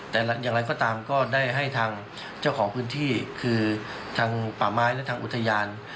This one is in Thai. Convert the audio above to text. แต่อย่างไรก็ตามก็ได้ให้ทางเจ้าของพื้นที่คือทางป่าไม้และทางอุทยาน